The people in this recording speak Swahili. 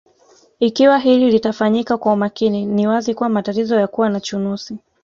Ikiwa hili litafanyika kwa umakini ni wazi kuwa matatizo ya kuwa na chunusi